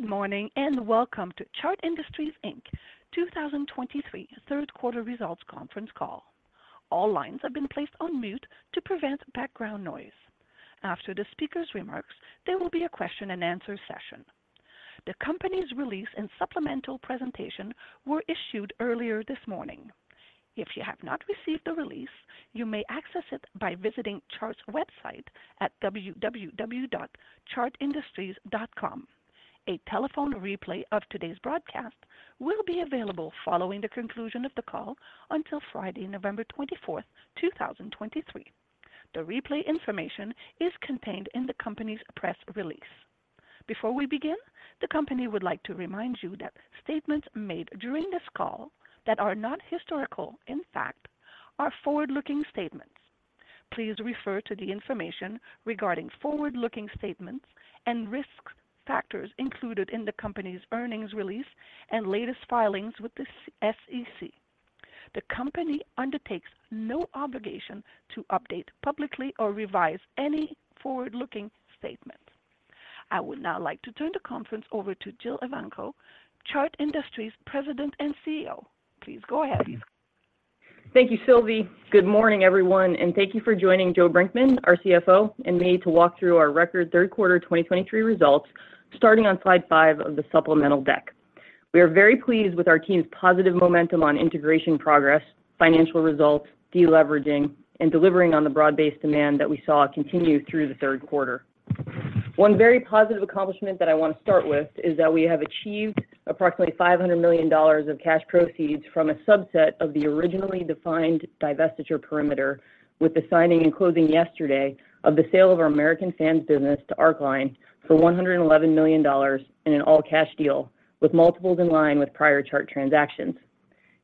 Good morning, and welcome to Chart Industries, Inc. 2023 third quarter results conference call. All lines have been placed on mute to prevent background noise. After the speaker's remarks, there will be a question-and-answer session. The company's release and supplemental presentation were issued earlier this morning. If you have not received the release, you may access it by visiting Chart's website at www.chartindustries.com. A telephone replay of today's broadcast will be available following the conclusion of the call until Friday, November 24, 2023. The replay information is contained in the company's press release. Before we begin, the company would like to remind you that statements made during this call that are not historical in fact are forward-looking statements. Please refer to the information regarding forward-looking statements and risk factors included in the company's earnings release and latest filings with the SEC. The company undertakes no obligation to update publicly or revise any forward-looking statements. I would now like to turn the conference over to Jill Evanko, Chart Industries President and CEO. Please go ahead. Thank you, Sylvie. Good morning, everyone, and thank you for joining Joe Brinkman, our CFO, and me to walk through our record third quarter 2023 results, starting on slide 5 of the supplemental deck. We are very pleased with our team's positive momentum on integration progress, financial results, deleveraging, and delivering on the broad-based demand that we saw continue through the third quarter. One very positive accomplishment that I want to start with is that we have achieved approximately $500 million of cash proceeds from a subset of the originally defined divestiture perimeter, with the signing and closing yesterday of the sale of our American Fan business to Arcline for $111 million in an all-cash deal, with multiples in line with prior Chart transactions.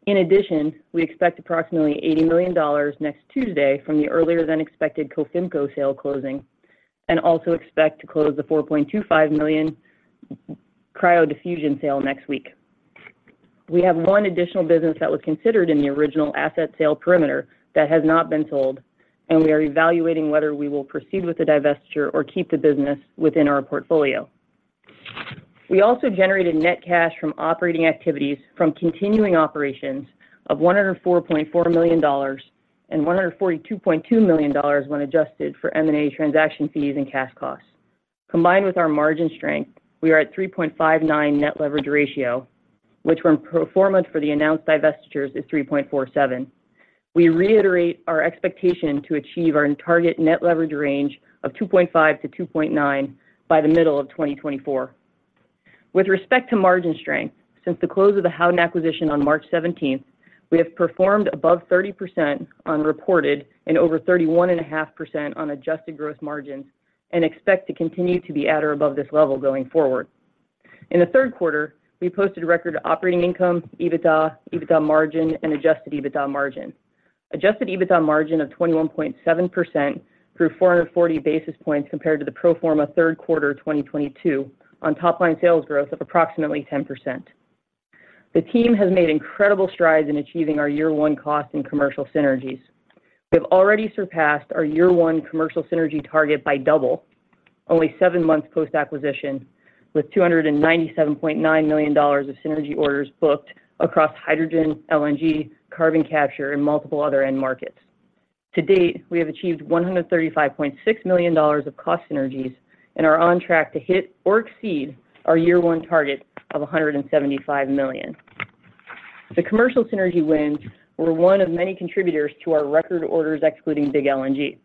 In addition, we expect approximately $80 million next Tuesday from the earlier-than-expected Cofimco sale closing and also expect to close the $4.25 million Cryo Diffusion sale next week. We have one additional business that was considered in the original asset sale perimeter that has not been sold, and we are evaluating whether we will proceed with the divestiture or keep the business within our portfolio. We also generated net cash from operating activities from continuing operations of $104.4 million, and $142.2 million when adjusted for M&A transaction fees and cash costs. Combined with our margin strength, we are at 3.59 net leverage ratio, which when pro forma for the announced divestitures, is 3.47. We reiterate our expectation to achieve our target net leverage range of 2.5-2.9 by the middle of 2024. With respect to margin strength, since the close of the Howden acquisition on March 17, we have performed above 30% on reported and over 31.5% on adjusted gross margins and expect to continue to be at or above this level going forward. In the third quarter, we posted record operating income, EBITDA, EBITDA margin, and adjusted EBITDA margin. Adjusted EBITDA margin of 21.7% grew 440 basis points compared to the pro forma third quarter 2022 on top line sales growth of approximately 10%. The team has made incredible strides in achieving our year one cost and commercial synergies. We have already surpassed our year one commercial synergy target by double, only seven months post-acquisition, with $297.9 million of synergy orders booked across hydrogen, LNG, carbon capture, and multiple other end markets. To date, we have achieved $135.6 million of cost synergies and are on track to hit or exceed our year one target of $175 million. The commercial synergy wins were one of many contributors to our record orders excluding Big LNG.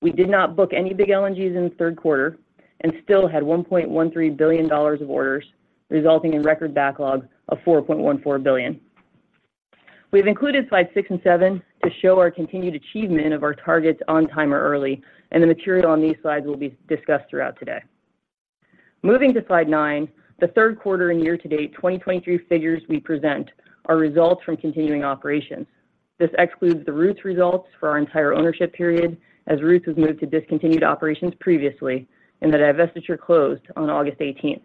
We did not book any Big LNG projects in the third quarter and still had $1.13 billion of orders, resulting in record backlog of $4.14 billion. We've included slides 6 and 7 to show our continued achievement of our targets on time or early, and the material on these slides will be discussed throughout today. Moving to slide nine, the third quarter and year-to-date 2023 figures we present are results from continuing operations. This excludes the Roots results for our entire ownership period, as Roots was moved to discontinued operations previously, and the divestiture closed on August 18.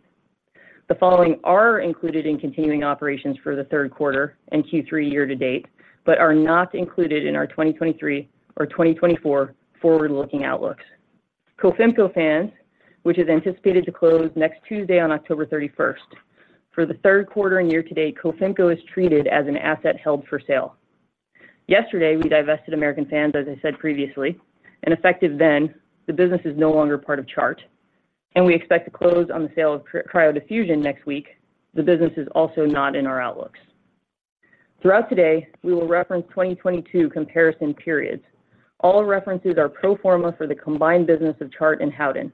The following are included in continuing operations for the third quarter and Q3 year to date, but are not included in our 2023 or 2024 forward-looking outlooks. Cofimco, which is anticipated to close next Tuesday on October 31. For the third quarter and year to date, Cofimco is treated as an asset held for sale. Yesterday, we divested American Fan, as I said previously, and effective then, the business is no longer part of Chart, and we expect to close on the sale of Cryo Diffusion next week. The business is also not in our outlooks. Throughout today, we will reference 2022 comparison periods. All references are pro forma for the combined business of Chart and Howden.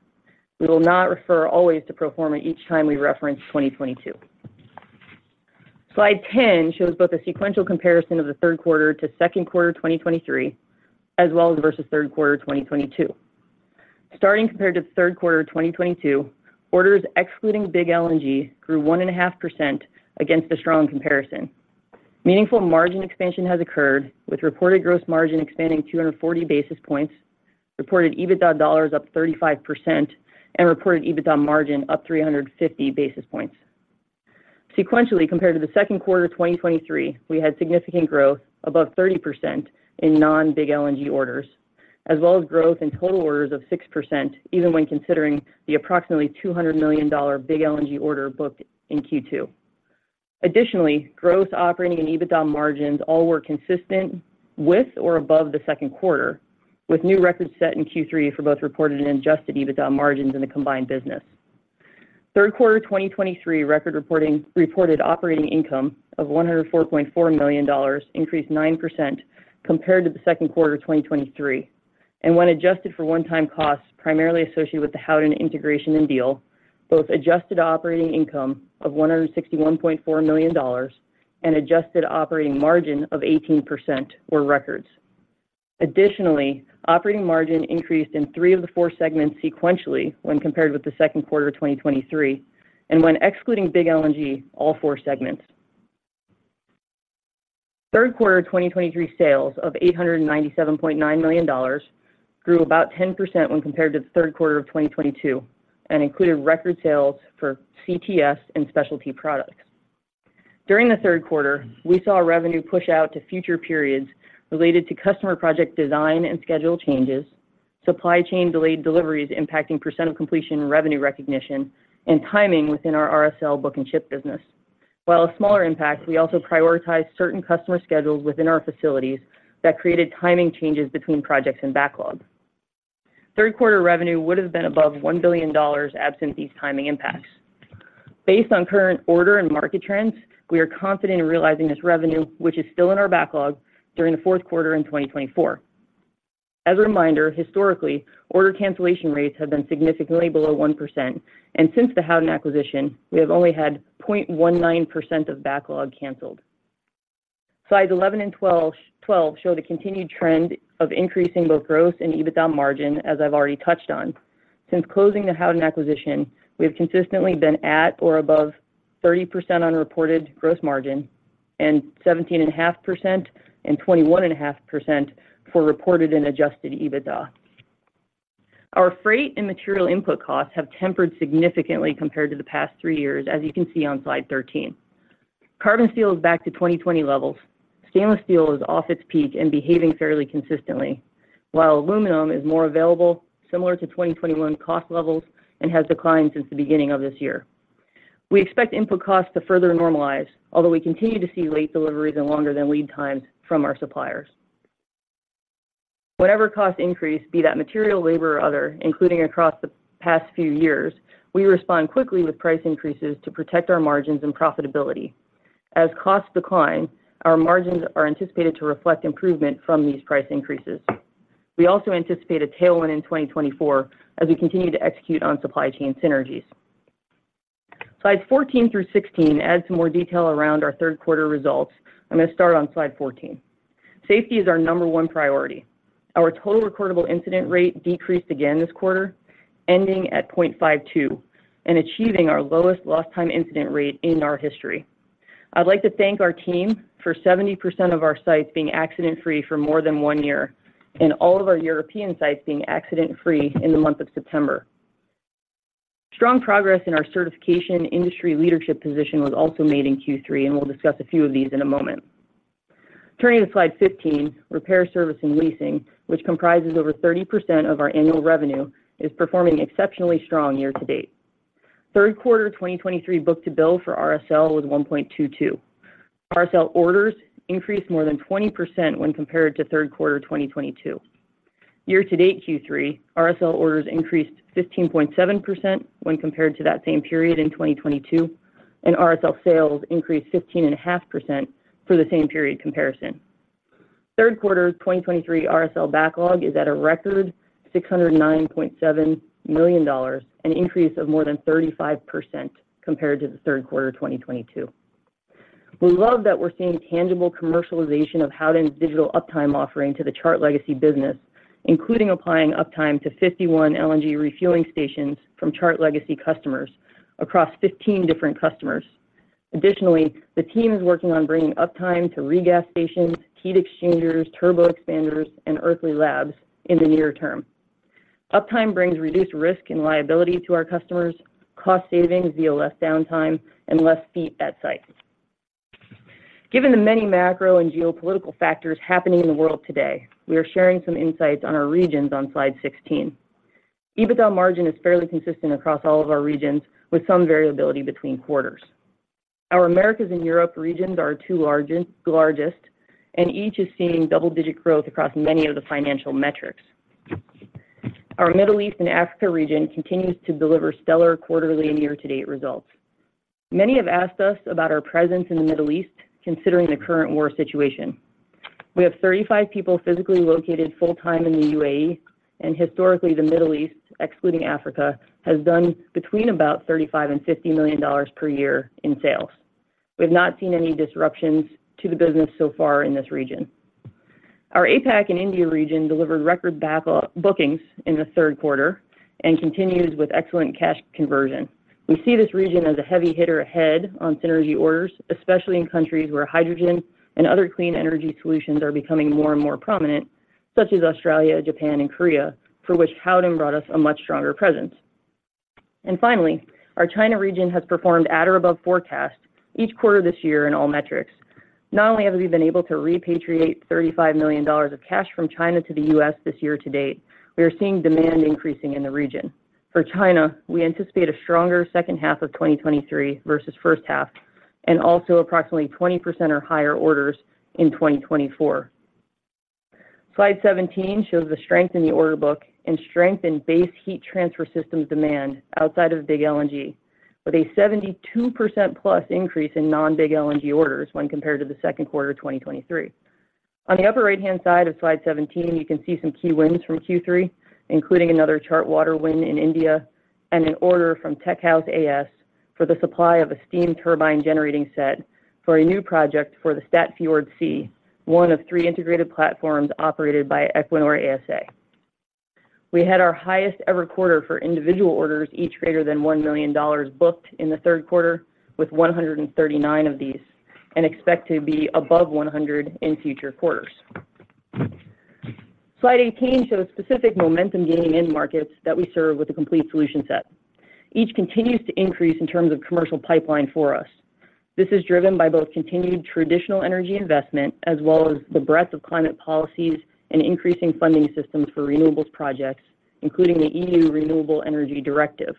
We will not refer always to pro forma each time we reference 2022. Slide 10 shows both a sequential comparison of the third quarter to second quarter 2023, as well as versus third quarter 2022. Starting compared to the third quarter of 2022, orders excluding Big LNG grew 1.5% against a strong comparison. Meaningful margin expansion has occurred, with reported gross margin expanding 240 basis points, reported EBITDA dollars up 35%, and reported EBITDA margin up 350 basis points. Sequentially, compared to the second quarter of 2023, we had significant growth above 30% in non-Big LNG orders, as well as growth in total orders of 6%, even when considering the approximately $200 million Big LNG order booked in Q2. Additionally, growth, operating, and EBITDA margins all were consistent with or above the second quarter, with new records set in Q3 for both reported and adjusted EBITDA margins in the combined business. Third quarter 2023 record reporting, reported operating income of $104.4 million increased 9% compared to the second quarter of 2023. When adjusted for one-time costs, primarily associated with the Howden integration and deal, both adjusted operating income of $161.4 million and adjusted operating margin of 18% were records. Additionally, operating margin increased in three of the four segments sequentially when compared with the second quarter of 2023, and when excluding Big LNG, all four segments. Third quarter 2023 sales of $897.9 million grew about 10% when compared to the third quarter of 2022 and included record sales for CTS and specialty products. During the third quarter, we saw a revenue push out to future periods related to customer project design and schedule changes, supply chain delayed deliveries impacting percent of completion and revenue recognition, and timing within our RSL book and ship business. While a smaller impact, we also prioritized certain customer schedules within our facilities that created timing changes between projects and backlog. Third quarter revenue would have been above $1 billion absent these timing impacts. Based on current order and market trends, we are confident in realizing this revenue, which is still in our backlog, during the fourth quarter in 2024. As a reminder, historically, order cancellation rates have been significantly below 1%, and since the Howden acquisition, we have only had 0.19% of backlog canceled. Slides 11 and 12, 12 show the continued trend of increasing both growth and EBITDA margin, as I've already touched on. Since closing the Howden acquisition, we have consistently been at or above 30% on reported gross margin and 17.5% and 21.5% for reported and adjusted EBITDA. Our freight and material input costs have tempered significantly compared to the past 3 years, as you can see on slide 13. Carbon steel is back to 2020 levels. Stainless steel is off its peak and behaving fairly consistently, while aluminum is more available, similar to 2021 cost levels, and has declined since the beginning of this year. We expect input costs to further normalize, although we continue to see late deliveries and longer than lead times from our suppliers. Whatever cost increase, be that material, labor, or other, including across the past few years, we respond quickly with price increases to protect our margins and profitability. As costs decline, our margins are anticipated to reflect improvement from these price increases. We also anticipate a tailwind in 2024 as we continue to execute on supply chain synergies. Slides 14 through 16 add some more detail around our third quarter results. I'm going to start on slide 14. Safety is our number one priority. Our total recordable incident rate decreased again this quarter, ending at 0.52 and achieving our lowest lost time incident rate in our history. I'd like to thank our team for 70% of our sites being accident-free for more than 1 year, and all of our European sites being accident-free in the month of September. Strong progress in our certification industry leadership position was also made in Q3, and we'll discuss a few of these in a moment. Turning to slide 15, Repair, Service, and Leasing, which comprises over 30% of our annual revenue, is performing exceptionally strong year to date. Third quarter 2023 Book-to-Bill for RSL was 1.22. RSL orders increased more than 20% when compared to third quarter 2022. Year to date Q3, RSL orders increased 15.7% when compared to that same period in 2022, and RSL sales increased 15.5% for the same period comparison. Third quarter 2023 RSL backlog is at a record $609.7 million, an increase of more than 35% compared to the third quarter of 2022. We love that we're seeing tangible commercialization of Howden's digital Uptime offering to the Chart legacy business, including applying Uptime to 51 LNG refueling stations from Chart legacy customers across 15 different customers. Additionally, the team is working on bringing Uptime to regas stations, heat exchangers, turbo expanders, and Earthly Labs in the near term. Uptime brings reduced risk and liability to our customers, cost savings via less downtime and fewer feet on site. Given the many macro and geopolitical factors happening in the world today, we are sharing some insights on our regions on slide 16. EBITDA margin is fairly consistent across all of our regions, with some variability between quarters. Our Americas and Europe regions are our two largest, and each is seeing double-digit growth across many of the financial metrics. Our Middle East and Africa region continues to deliver stellar quarterly and year-to-date results. Many have asked us about our presence in the Middle East, considering the current war situation. We have 35 people physically located full-time in the UAE, and historically, the Middle East, excluding Africa, has done between about $35 million and $50 million per year in sales. We have not seen any disruptions to the business so far in this region. Our APAC and India region delivered record backlog bookings in the third quarter and continues with excellent cash conversion. We see this region as a heavy hitter ahead on synergy orders, especially in countries where hydrogen and other clean energy solutions are becoming more and more prominent, such as Australia, Japan, and Korea, for which Howden brought us a much stronger presence. Finally, our China region has performed at or above forecast each quarter this year in all metrics. Not only have we been able to repatriate $35 million of cash from China to the U.S. this year to date, we are seeing demand increasing in the region. For China, we anticipate a stronger second half of 2023 versus first half, and also approximately 20% or higher orders in 2024. Slide 17 shows the strength in the order book and strength in base heat transfer systems demand outside of Big LNG, with a 72%+ increase in non-Big LNG orders when compared to the second quarter of 2023. On the upper right-hand side of Slide 17, you can see some key wins from Q3, including another Chart water win in India and an order from TechHouse AS for the supply of a steam turbine generating set for a new project for the Statfjord C, one of three integrated platforms operated by Equinor ASA. We had our highest-ever quarter for individual orders, each greater than $1 million booked in the third quarter, with 139 of these, and expect to be above 100 in future quarters. Slide 18 shows specific momentum gain in markets that we serve with a complete solution set. Each continues to increase in terms of commercial pipeline for us. This is driven by both continued traditional energy investment, as well as the breadth of climate policies and increasing funding systems for renewables projects, including the EU Renewable Energy Directive.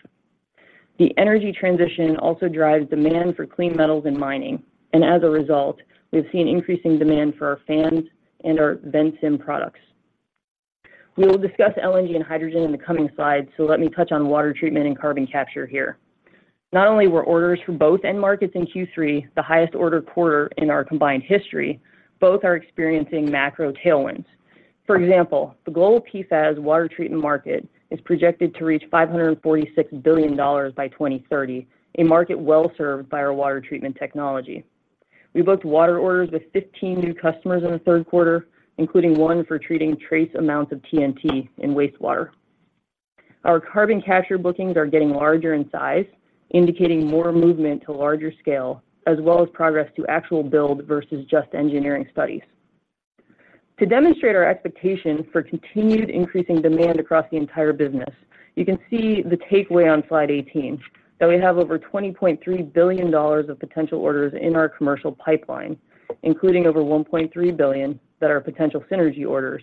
The energy transition also drives demand for clean metals and mining, and as a result, we've seen increasing demand for our fans and our Ventsim products. We will discuss LNG and hydrogen in the coming slides, so let me touch on water treatment and carbon capture here. Not only were orders for both end markets in Q3, the highest order quarter in our combined history, both are experiencing macro tailwinds. For example, the global PFAS water treatment market is projected to reach $546 billion by 2030, a market well-served by our water treatment technology. We booked water orders with 15 new customers in the third quarter, including one for treating trace amounts of TNT in wastewater. Our carbon capture bookings are getting larger in size, indicating more movement to larger scale, as well as progress to actual build versus just engineering studies. To demonstrate our expectation for continued increasing demand across the entire business, you can see the takeaway on slide 18, that we have over $20.3 billion of potential orders in our commercial pipeline, including over $1.3 billion that are potential synergy orders,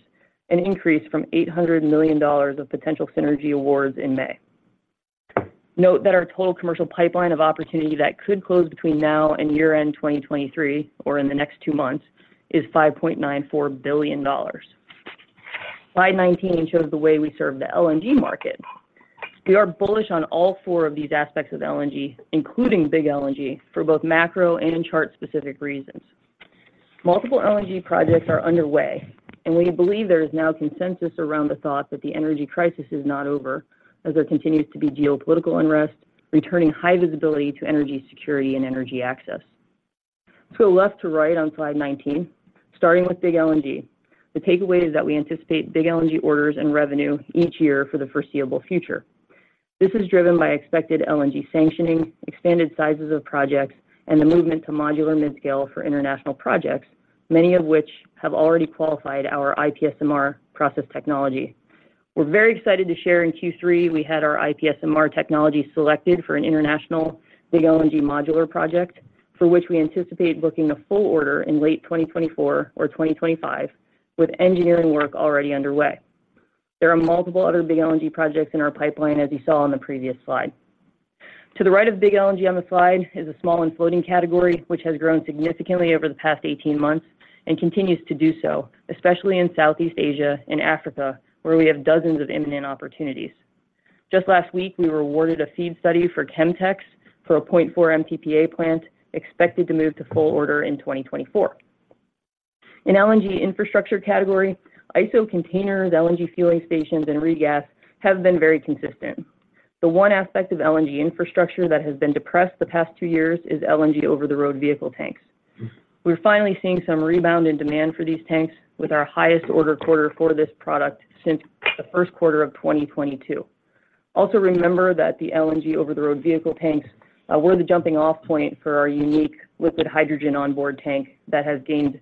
an increase from $800 million of potential synergy awards in May. Note that our total commercial pipeline of opportunity that could close between now and year-end 2023, or in the next two months, is $5.94 billion. Slide 19 shows the way we serve the LNG market. We are bullish on all four of these aspects of LNG, including Big LNG, for both macro and Chart-specific reasons. Multiple LNG projects are underway, and we believe there is now consensus around the thought that the energy crisis is not over, as there continues to be geopolitical unrest, returning high visibility to energy security and energy access. Let's go left to right on slide 19, starting with Big LNG. The takeaway is that we anticipate Big LNG orders and revenue each year for the foreseeable future. This is driven by expected LNG sanctioning, expanded sizes of projects, and the movement to modular mid-scale for international projects, many of which have already qualified our IPSMR process technology. We're very excited to share in Q3, we had our IPSMR technology selected for an international Big LNG modular project, for which we anticipate booking a full order in late 2024 or 2025, with engineering work already underway. There are multiple other Big LNG projects in our pipeline, as you saw on the previous slide. To the right of Big LNG on the slide is a small and floating category, which has grown significantly over the past 18 months and continues to do so, especially in Southeast Asia and Africa, where we have dozens of imminent opportunities. Just last week, we were awarded a FEED study for Chemtex for a 0.4 MTPA plant, expected to move to full order in 2024. In LNG infrastructure category, ISO containers, LNG fueling stations, and regas have been very consistent. The one aspect of LNG infrastructure that has been depressed the past two years is LNG over-the-road vehicle tanks. We're finally seeing some rebound in demand for these tanks with our highest order quarter for this product since the first quarter of 2022. Also, remember that the LNG over-the-road vehicle tanks were the jumping-off point for our unique liquid hydrogen onboard tank that has gained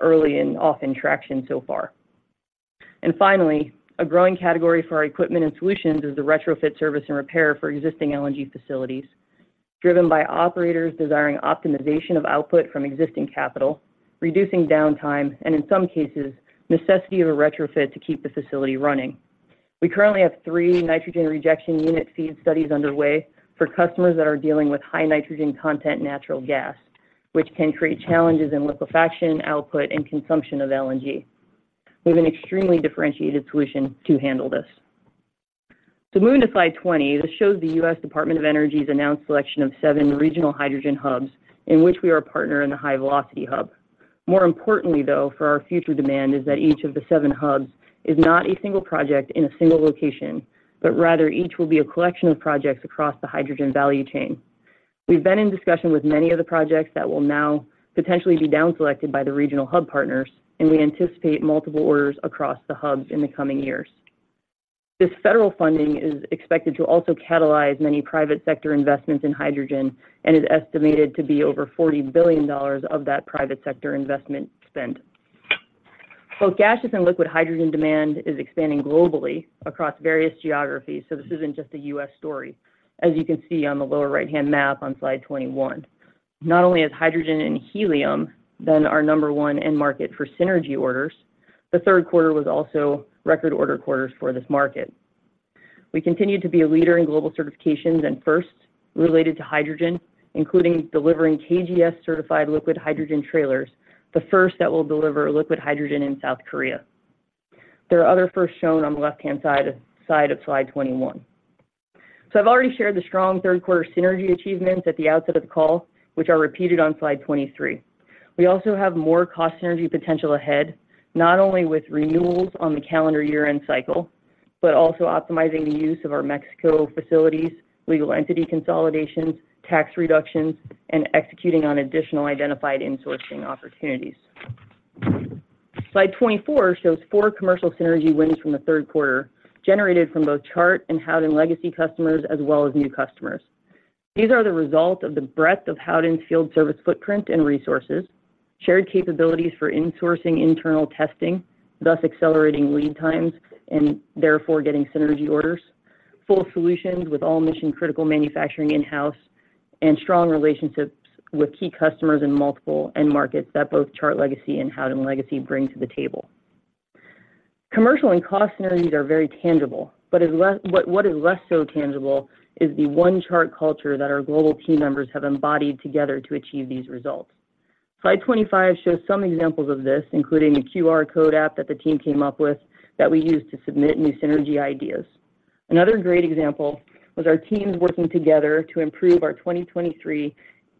early and often traction so far. And finally, a growing category for our equipment and solutions is the retrofit service and repair for existing LNG facilities, driven by operators desiring optimization of output from existing capital, reducing downtime, and in some cases, necessity of a retrofit to keep the facility running. We currently have three nitrogen rejection unit feed studies underway for customers that are dealing with high nitrogen content natural gas, which can create challenges in liquefaction, output, and consumption of LNG. We have an extremely differentiated solution to handle this. Moving to slide 20, this shows the U.S. Department of Energy's announced selection of seven regional hydrogen hubs in which we are a partner in the HyVelocity Hub. More importantly, though, for our future demand, is that each of the seven hubs is not a single project in a single location, but rather each will be a collection of projects across the hydrogen value chain. We've been in discussion with many of the projects that will now potentially be down selected by the regional hub partners, and we anticipate multiple orders across the hubs in the coming years.... This federal funding is expected to also catalyze many private sector investments in hydrogen and is estimated to be over $40 billion of that private sector investment spend. Both gaseous and liquid hydrogen demand is expanding globally across various geographies, so this isn't just a U.S. story, as you can see on the lower right-hand map on slide 21. Not only is hydrogen and helium been our number one end market for synergy orders, the third quarter was also record order quarters for this market. We continued to be a leader in global certifications and firsts related to hydrogen, including delivering KGS-certified liquid hydrogen trailers, the first that will deliver liquid hydrogen in South Korea. There are other firsts shown on the left-hand side of slide 21. So I've already shared the strong third quarter synergy achievements at the outset of the call, which are repeated on slide 23. We also have more cost synergy potential ahead, not only with renewals on the calendar year-end cycle, but also optimizing the use of our Mexico facilities, legal entity consolidations, tax reductions, and executing on additional identified insourcing opportunities. Slide 24 shows 4 commercial synergy wins from the third quarter, generated from both Chart and Howden legacy customers, as well as new customers. These are the result of the breadth of Howden's field service footprint and resources, shared capabilities for insourcing internal testing, thus accelerating lead times and therefore getting synergy orders, full solutions with all mission-critical manufacturing in-house, and strong relationships with key customers in multiple end markets that both Chart legacy and Howden legacy bring to the table. Commercial and cost synergies are very tangible, but what is less so tangible is the One Chart culture that our global team members have embodied together to achieve these results. Slide 25 shows some examples of this, including a QR code app that the team came up with that we use to submit new synergy ideas. Another great example was our teams working together to improve our 2023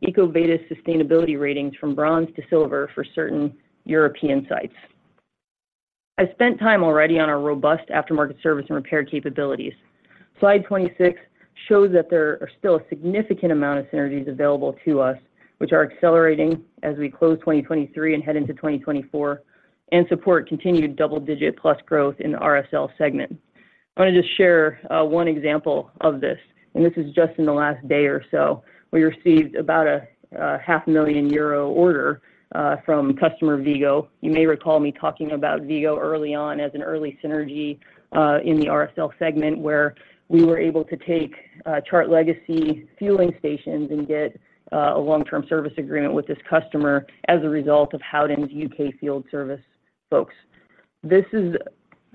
EcoVadis sustainability ratings from bronze to silver for certain European sites. I spent time already on our robust aftermarket service and repair capabilities. Slide 26 shows that there are still a significant amount of synergies available to us, which are accelerating as we close 2023 and head into 2024 and support continued double-digit+ growth in the RSL segment. I want to just share one example of this, and this is just in the last day or so. We received about a 500,000 euro order from customer Vigo. You may recall me talking about Vigo early on as an early synergy in the RSL segment, where we were able to take Chart legacy fueling stations and get a long-term service agreement with this customer as a result of Howden's UK field service folks. This is...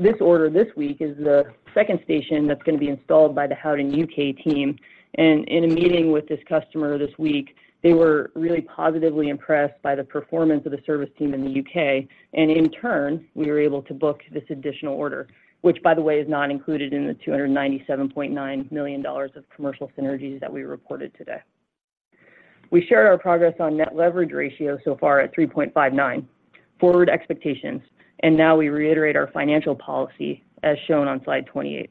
This order this week is the second station that's going to be installed by the Howden UK team, and in a meeting with this customer this week, they were really positively impressed by the performance of the service team in the UK. In turn, we were able to book this additional order, which, by the way, is not included in the $297.9 million of commercial synergies that we reported today. We shared our progress on net leverage ratio so far at 3.59, forward expectations, and now we reiterate our financial policy as shown on slide 28.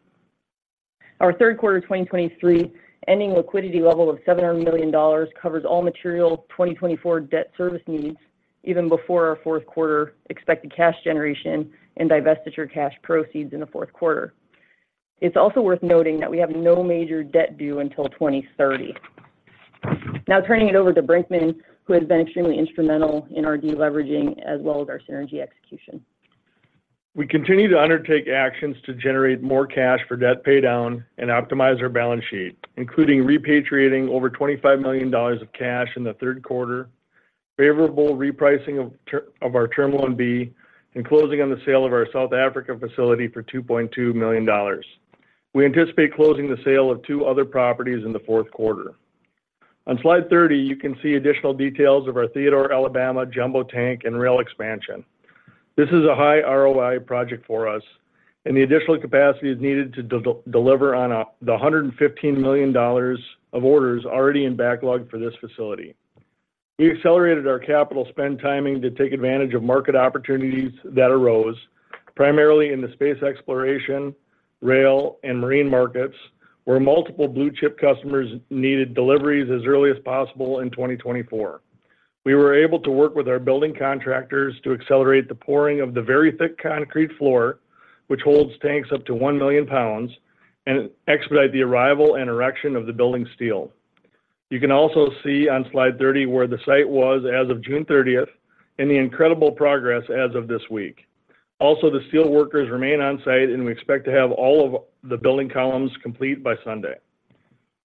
Our third quarter 2023 ending liquidity level of $700 million covers all material 2024 debt service needs, even before our fourth quarter expected cash generation and divestiture cash proceeds in the fourth quarter. It's also worth noting that we have no major debt due until 2030. Now turning it over to Brinkman, who has been extremely instrumental in our deleveraging as well as our synergy execution. We continue to undertake actions to generate more cash for debt paydown and optimize our balance sheet, including repatriating over $25 million of cash in the third quarter, favorable repricing of our Term Loan B, and closing on the sale of our South African facility for $2.2 million. We anticipate closing the sale of two other properties in the fourth quarter. On slide 30, you can see additional details of our Theodore, Alabama jumbo tank and rail expansion. This is a high ROI project for us, and the additional capacity is needed to deliver on the $115 million of orders already in backlog for this facility. We accelerated our capital spend timing to take advantage of market opportunities that arose, primarily in the space exploration, rail, and marine markets, where multiple blue-chip customers needed deliveries as early as possible in 2024. We were able to work with our building contractors to accelerate the pouring of the very thick concrete floor, which holds tanks up to 1,000,000 pounds, and expedite the arrival and erection of the building's steel. You can also see on slide 30 where the site was as of June 30 and the incredible progress as of this week. Also, the steel workers remain on site, and we expect to have all of the building columns complete by Sunday.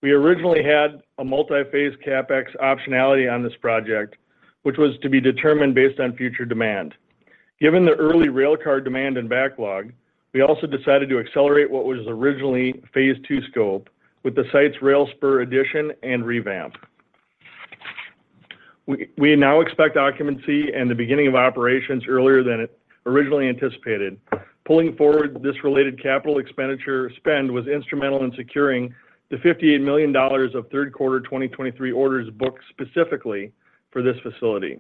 We originally had a multi-phase CapEx optionality on this project, which was to be determined based on future demand. Given the early rail car demand and backlog, we also decided to accelerate what was originally phase two scope with the site's rail spur addition and revamp. We now expect occupancy and the beginning of operations earlier than originally anticipated. Pulling forward this related capital expenditure spend was instrumental in securing the $58 million of third quarter 2023 orders booked specifically for this facility.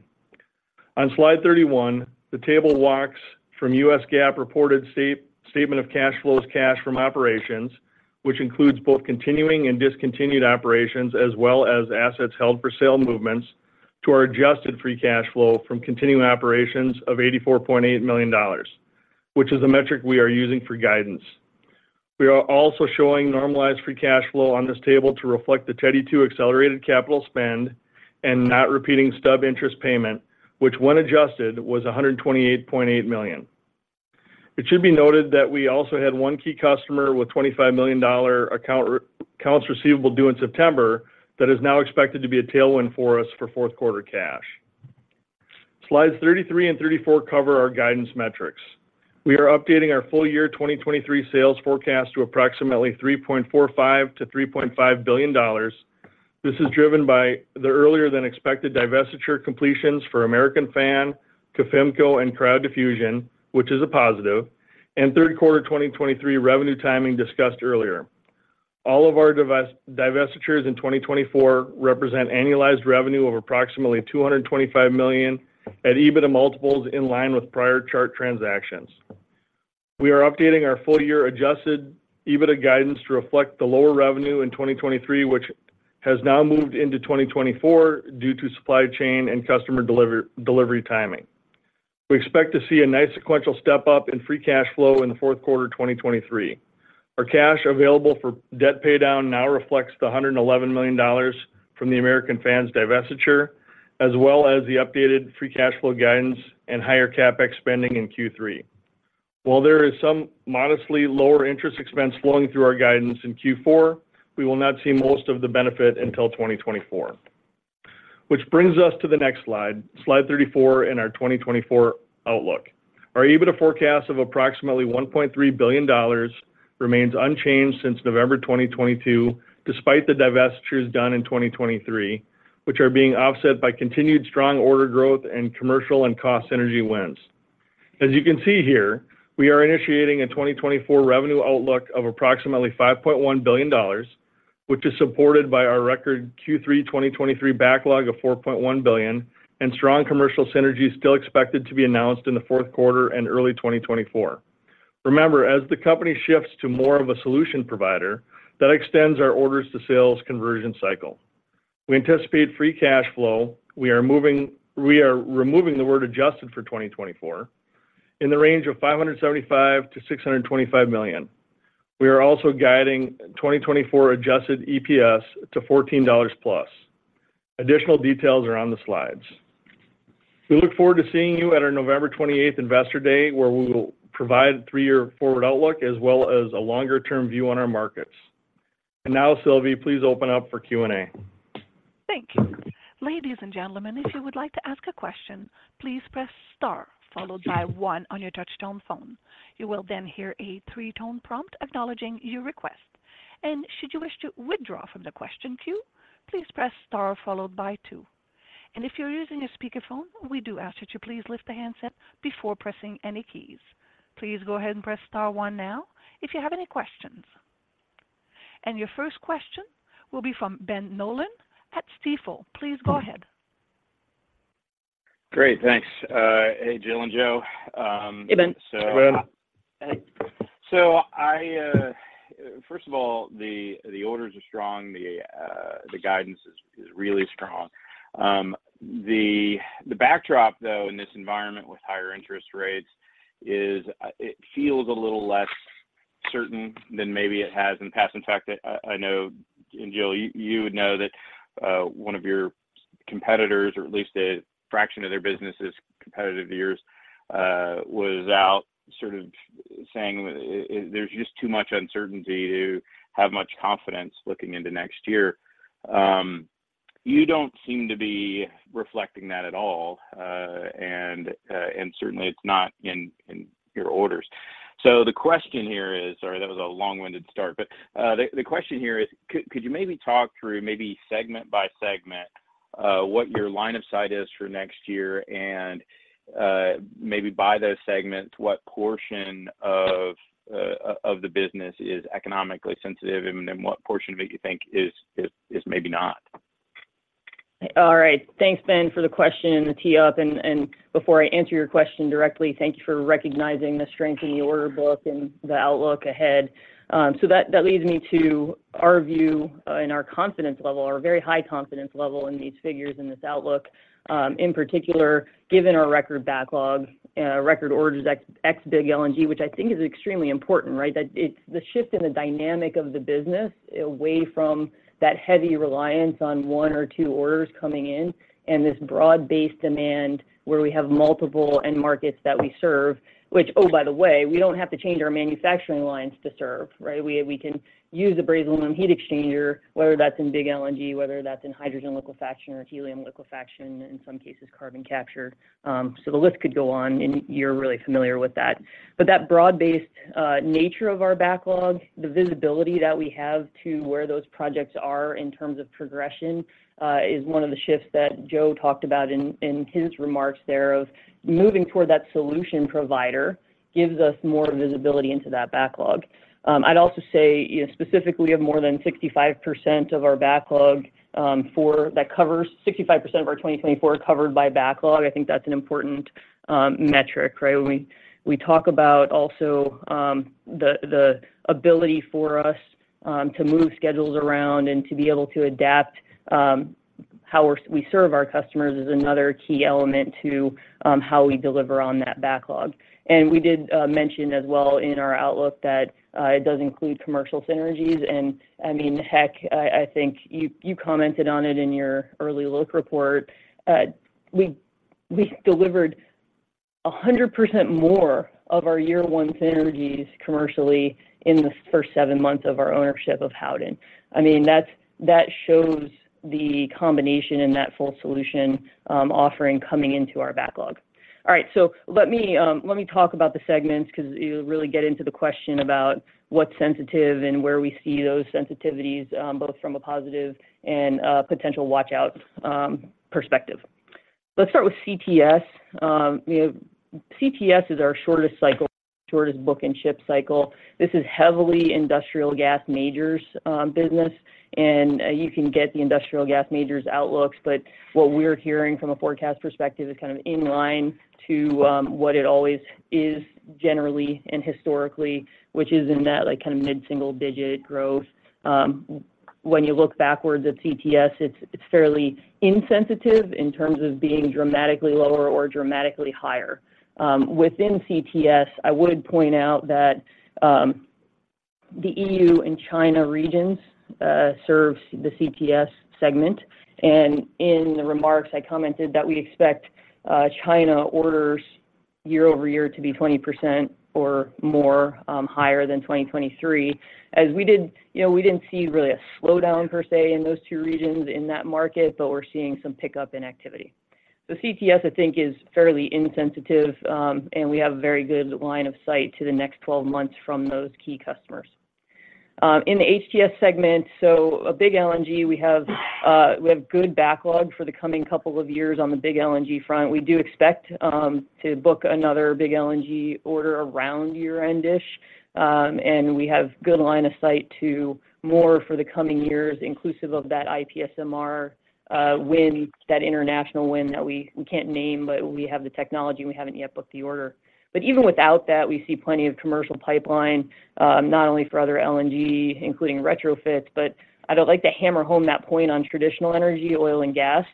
On slide 31, the table walks from U.S. GAAP reported statement of cash flows, cash from operations, which includes both continuing and discontinued operations, as well as assets held for sale movements to our adjusted free cash flow from continuing operations of $84.8 million, which is a metric we are using for guidance. We are also showing normalized free cash flow on this table to reflect the Teddy 2 accelerated capital spend and non-recurring stub interest payment, which when adjusted, was $128.8 million. It should be noted that we also had one key customer with $25 million accounts receivable due in September, that is now expected to be a tailwind for us for fourth quarter cash. Slides 33 and 34 cover our guidance metrics. We are updating our full year 2023 sales forecast to approximately $3.45-$3.5 billion. This is driven by the earlier than expected divestiture completions for American Fan, Cofimco, and Cryo Diffusion, which is a positive, and third quarter 2023 revenue timing discussed earlier. All of our divestitures in 2024 represent annualized revenue of approximately $225 million at EBITDA multiples in line with prior Chart transactions. We are updating our full year adjusted EBITDA guidance to reflect the lower revenue in 2023, which has now moved into 2024 due to supply chain and customer delivery, delivery timing. We expect to see a nice sequential step up in free cash flow in the fourth quarter of 2023. Our cash available for debt paydown now reflects the $111 million from the American Fan divestiture, as well as the updated free cash flow guidance and higher CapEx spending in Q3. While there is some modestly lower interest expense flowing through our guidance in Q4, we will not see most of the benefit until 2024. Which brings us to the next slide, slide 34, and our 2024 outlook. Our EBITDA forecast of approximately $1.3 billion remains unchanged since November 2022, despite the divestitures done in 2023, which are being offset by continued strong order growth and commercial and cost synergy wins. As you can see here, we are initiating a 2024 revenue outlook of approximately $5.1 billion, which is supported by our record Q3 2023 backlog of $4.1 billion, and strong commercial synergies still expected to be announced in the fourth quarter and early 2024. Remember, as the company shifts to more of a solution provider, that extends our orders to sales conversion cycle. We anticipate free cash flow. We are removing the word adjusted for 2024, in the range of $575 million-$625 million. We are also guiding 2024 adjusted EPS to $14+. Additional details are on the slides. We look forward to seeing you at our November 28th Investor Day, where we will provide three-year forward outlook, as well as a longer-term view on our markets. And now, Sylvie, please open up for Q&A. Thank you. Ladies and gentlemen, if you would like to ask a question, please press star followed by one on your touchtone phone. You will then hear a three-tone prompt acknowledging your request. Should you wish to withdraw from the question queue, please press star followed by two. If you're using a speakerphone, we do ask that you please lift the handset before pressing any keys. Please go ahead and press star one now if you have any questions. Your first question will be from Ben Nolan at Stifel. Please go ahead. Great, thanks. Hey, Jill and Joe, Hey, Ben. Hey, Ben. First of all, the orders are strong, the guidance is really strong. The backdrop, though, in this environment with higher interest rates feels a little less certain than maybe it has in the past. In fact, I know, and Jill, you would know that one of your competitors, or at least a fraction of their business is competitive to yours, was out sort of saying, there's just too much uncertainty to have much confidence looking into next year. You don't seem to be reflecting that at all, and certainly it's not in your orders. The question here is... Sorry, that was a long-winded start, but the question here is, could you maybe talk through, maybe segment by segment, what your line of sight is for next year, and maybe by those segments, what portion of the business is economically sensitive, and then what portion of it you think is maybe not? All right. Thanks, Ben, for the question and the tee up. Before I answer your question directly, thank you for recognizing the strength in the order book and the outlook ahead. That leads me to our view and our confidence level, our very high confidence level in these figures and this outlook, in particular, given our record backlog and our record orders, ex, ex-Big LNG, which I think is extremely important, right? That it's the shift in the dynamic of the business away from that heavy reliance on one or two orders coming in, and this broad-based demand where we have multiple end markets that we serve, which, oh, by the way, we don't have to change our manufacturing lines to serve, right? We can use a brazed aluminum heat exchanger, whether that's in Big LNG, whether that's in hydrogen liquefaction or helium liquefaction, in some cases, carbon capture. So the list could go on, and you're really familiar with that. But that broad-based nature of our backlog, the visibility that we have to where those projects are in terms of progression, is one of the shifts that Joe talked about in his remarks there of moving toward that solution provider, gives us more visibility into that backlog. I'd also say, specifically, of more than 65% of our backlog, for—that covers 65% of our 2024 covered by backlog. I think that's an important metric, right? When we talk about also, the ability for us to move schedules around and to be able to adapt, to-... How we serve our customers is another key element to how we deliver on that backlog. We did mention as well in our outlook that it does include commercial synergies. I mean, heck, I think you commented on it in your early look report. We delivered 100% more of our year one synergies commercially in the first seven months of our ownership of Howden. I mean, that shows the combination and that full solution offering coming into our backlog. All right, let me talk about the segments, 'cause it'll really get into the question about what's sensitive and where we see those sensitivities, both from a positive and a potential watch-out perspective. Let's start with CTS. You know, CTS is our shortest cycle, shortest book and ship cycle. This is heavily industrial gas majors business, and you can get the industrial gas majors outlooks, but what we're hearing from a forecast perspective is kind of in line to what it always is generally and historically, which is in that, like, kind of mid-single-digit growth. When you look backwards at CTS, it's fairly insensitive in terms of being dramatically lower or dramatically higher. Within CTS, I would point out that the EU and China regions serve the CTS segment, and in the remarks, I commented that we expect China orders year-over-year to be 20% or more higher than 2023. As we did... You know, we didn't see really a slowdown per se in those two regions in that market, but we're seeing some pickup in activity. CTS, I think, is fairly insensitive, and we have a very good line of sight to the next 12 months from those key customers. In the HTS segment, big LNG, we have good backlog for the coming couple of years on the big LNG front. We do expect to book another big LNG order around year-end-ish, and we have good line of sight to more for the coming years, inclusive of that IPSMR win, that international win that we can't name, but we have the technology, and we haven't yet booked the order. Even without that, we see plenty of commercial pipeline, not only for other LNG, including retrofits, but I'd like to hammer home that point on traditional energy, oil and gas.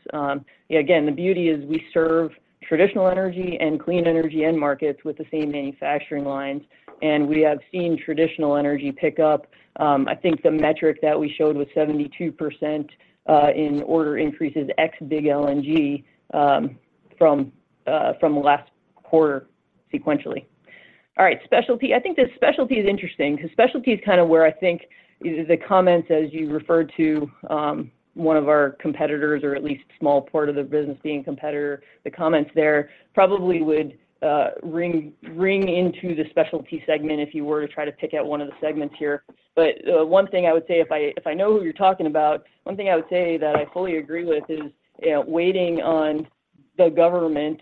Again, the beauty is we serve traditional energy and clean energy end markets with the same manufacturing lines, and we have seen traditional energy pick up. I think the metric that we showed was 72% in order increases ex big LNG from last quarter sequentially. All right, specialty. I think the specialty is interesting, because specialty is kind of where I think the comments, as you referred to, one of our competitors or at least a small part of the business being competitor, the comments there probably would ring, ring into the specialty segment if you were to try to pick out one of the segments here. But, one thing I would say, if I, if I know who you're talking about, one thing I would say that I fully agree with is, waiting on the government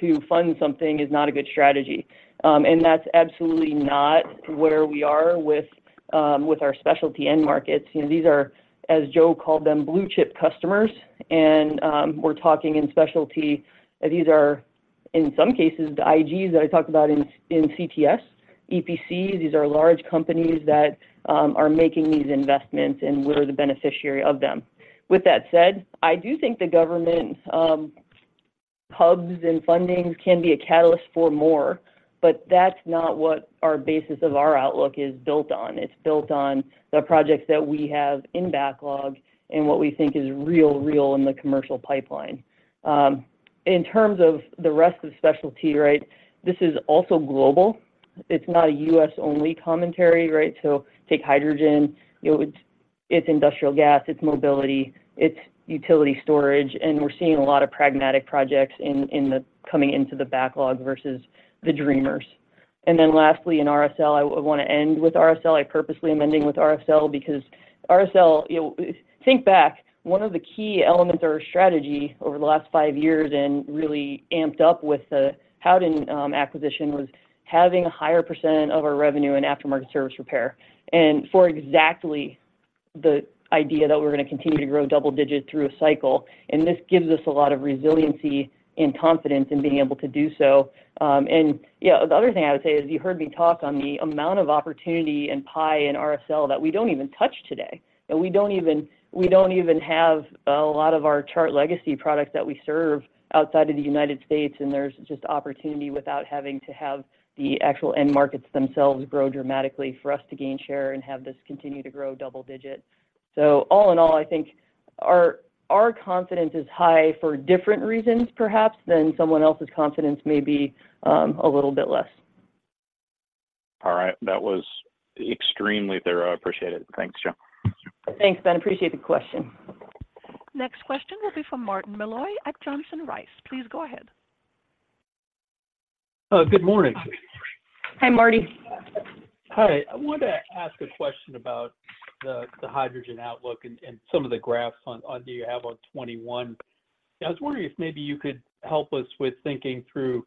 to fund something is not a good strategy. And that's absolutely not where we are with, with our specialty end markets. You know, these are, as Joe called them, blue-chip customers, and, we're talking in specialty, these are, in some cases, the IGs that I talked about in, in CTS, EPCs. These are large companies that, are making these investments, and we're the beneficiary of them. With that said, I do think the government, hubs and fundings can be a catalyst for more, but that's not what our basis of our outlook is built on. It's built on the projects that we have in backlog and what we think is real, real in the commercial pipeline. In terms of the rest of specialty, right, this is also global. It's not a U.S.-only commentary, right? So take hydrogen, you know, it's industrial gas, it's mobility, it's utility storage, and we're seeing a lot of pragmatic projects in the coming into the backlog versus the dreamers. And then lastly, in RSL, I want to end with RSL. I purposely am ending with RSL because RSL, you know, think back, one of the key elements of our strategy over the last five years and really amped up with the Howden acquisition was having a higher percent of our revenue in aftermarket service repair. For exactly the idea that we're going to continue to grow double digit through a cycle, this gives us a lot of resiliency and confidence in being able to do so. Yeah, the other thing I would say is, you heard me talk on the amount of opportunity in pie and RSL that we don't even touch today. We don't even have a lot of our Chart legacy products that we serve outside of the United States, and there's just opportunity without having to have the actual end markets themselves grow dramatically for us to gain share and have this continue to grow double digit. All in all, I think our confidence is high for different reasons perhaps than someone else's confidence may be, a little bit less. All right. That was extremely thorough. I appreciate it. Thanks, Jillian. Thanks, Ben. Appreciate the question. Next question will be from Martin Malloy at Johnson Rice. Please go ahead. Good morning. Hi, Martin. Hi. I wanted to ask a question about the hydrogen outlook and some of the graphs on there you have on 21. I was wondering if maybe you could help us with thinking through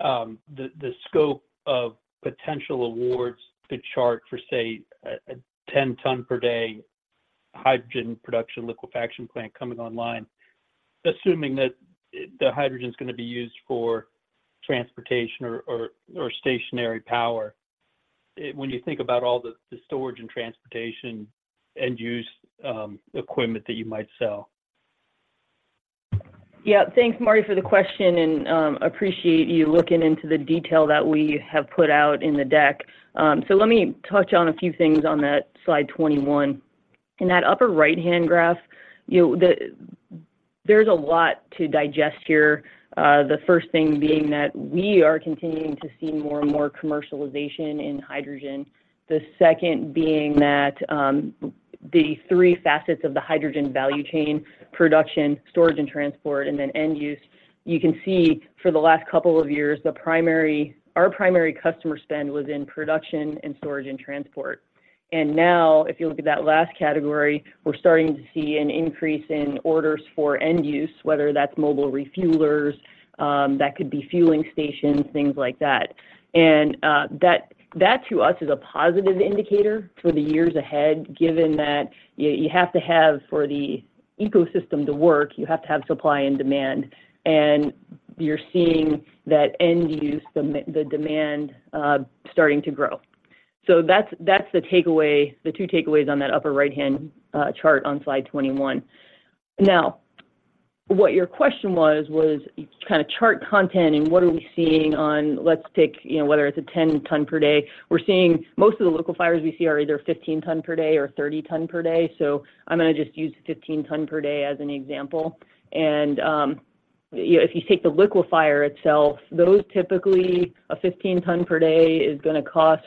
the scope of potential awards to Chart for, say, a 10-ton per day hydrogen production liquefaction plant coming online, assuming that the hydrogen is going to be used for transportation or stationary power? When you think about all the storage and transportation end use equipment that you might sell? Yeah, thanks, Martin, for the question, and appreciate you looking into the detail that we have put out in the deck. So let me touch on a few things on that slide 21. In that upper right-hand graph, you know, there's a lot to digest here. The first thing being that we are continuing to see more and more commercialization in hydrogen. The second being that the three facets of the hydrogen value chain: production, storage and transport, and then end use, you can see for the last couple of years, the primary, our primary customer spend was in production and storage and transport. And now, if you look at that last category, we're starting to see an increase in orders for end use, whether that's mobile refuelers, that could be fueling stations, things like that. And that to us is a positive indicator for the years ahead, given that you have to have, for the ecosystem to work, you have to have supply and demand. And you're seeing that end use, the demand starting to grow. So that's the takeaway, the two takeaways on that upper right-hand chart on slide 21. Now, what your question was, was kind of Chart content and what are we seeing on... Let's take, you know, whether it's a 10 ton per day. We're seeing most of the liquefiers we see are either 15 ton per day or 30 ton per day, so I'm gonna just use 15 ton per day as an example. You know, if you take the liquefier itself, those typically, a 15-ton per day is gonna cost,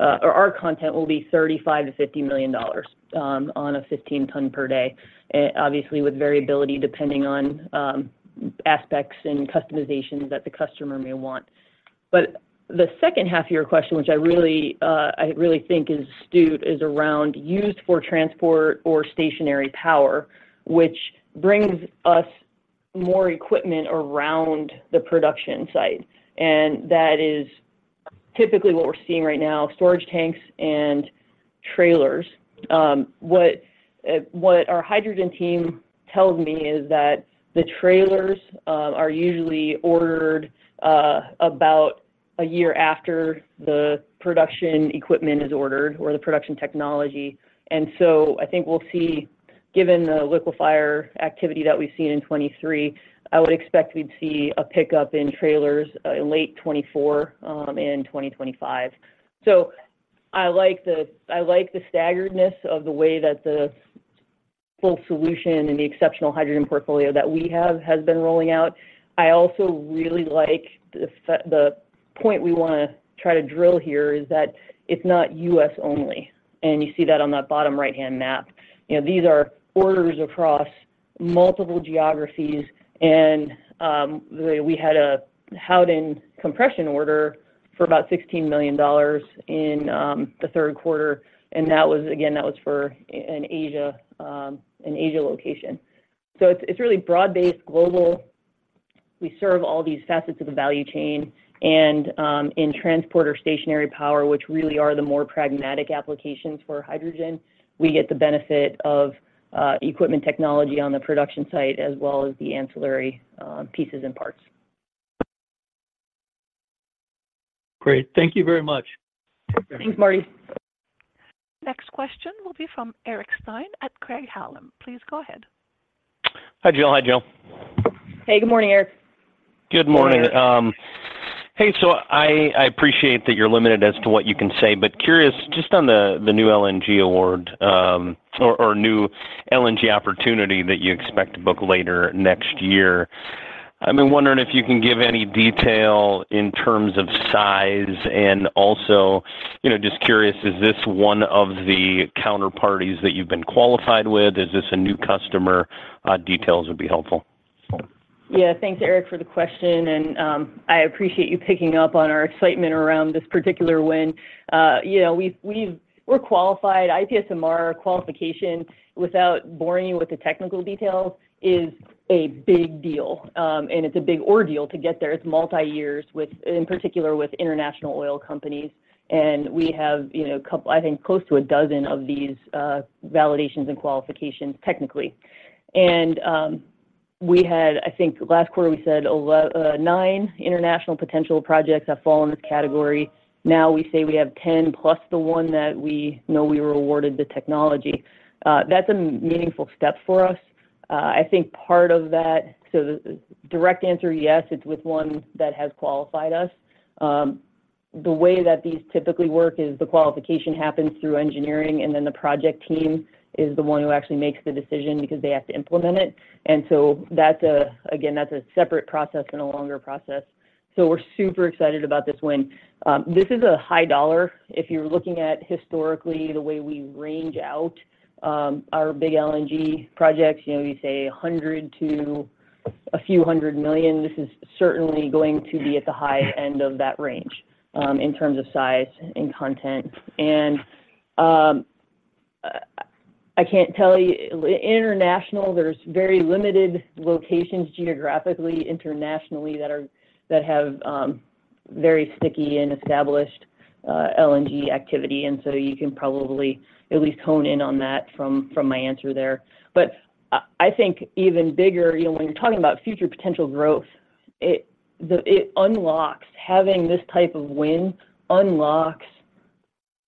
or our content will be $35 million-$50 million, on a 15-ton per day. Obviously, with variability depending on aspects and customizations that the customer may want. But the second half of your question, which I really, I really think is astute, is around used for transport or stationary power, which brings us more equipment around the production site. That is typically what we're seeing right now, storage tanks and trailers. What our hydrogen team tells me is that the trailers are usually ordered about a year after the production equipment is ordered or the production technology. I think we'll see, given the liquefier activity that we've seen in 2023, I would expect we'd see a pickup in trailers in late 2024 and in 2025. I like the staggeredness of the way that the full solution and the exceptional hydrogen portfolio that we have has been rolling out. I also really like the point we wanna try to drill here, is that it's not U.S. only, and you see that on that bottom right-hand map. You know, these are orders across multiple geographies and we had a Howden compression order for about $16 million in the third quarter, and that was, again, that was for an Asia location. So it's really broad-based, global. We serve all these facets of the value chain and in transport or stationary power, which really are the more pragmatic applications for hydrogen, we get the benefit of equipment technology on the production site, as well as the ancillary pieces and parts. Great. Thank you very much. Thanks, Martin. Next question will be from Eric Stine at Craig-Hallum. Please go ahead. Hi, Jill. Hi, Jill. Hey, good morning, Eric. Good morning. Good morning. Hey, so I appreciate that you're limited as to what you can say, but curious just on the new LNG award, or new LNG opportunity that you expect to book later next year. I've been wondering if you can give any detail in terms of size, and also, you know, just curious, is this one of the counterparties that you've been qualified with? Is this a new customer? Details would be helpful. Yeah. Thanks, Eric, for the question, and I appreciate you picking up on our excitement around this particular win. You know, we've we're qualified. IPSMR qualification, without boring you with the technical details, is a big deal. And it's a big ordeal to get there. It's multi-years with, in particular, with international oil companies, and we have, you know, a couple, I think, close to a dozen of these validations and qualifications technically. And we had, I think last quarter we said nine international potential projects that fall in this category. Now we say we have 10, plus the one that we know we were awarded the technology. That's a meaningful step for us. I think part of that. So the direct answer, yes, it's with one that has qualified us. The way that these typically work is the qualification happens through engineering, and then the project team is the one who actually makes the decision because they have to implement it. And so that's a, again, that's a separate process and a longer process. So we're super excited about this win. This is a high dollar. If you're looking at historically the way we range out, our Big LNG projects, you know, you say $100 million to a few hundred million. This is certainly going to be at the high end of that range, in terms of size and content. And, I can't tell you, international, there's very limited locations geographically, internationally, that are, that have, very sticky and established, LNG activity, and so you can probably at least hone in on that from, from my answer there. But, I think even bigger, you know, when you're talking about future potential growth, it unlocks, having this type of win unlocks